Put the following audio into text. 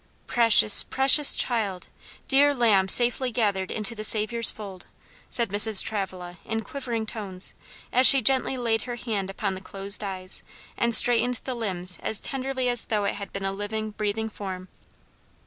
"Precious, precious child! dear lamb safely gathered into the Saviour's fold," said Mrs. Travilla in quivering tones, as she gently laid her hand upon the closed eyes, and straightened the limbs as tenderly as though it had been a living, breathing form.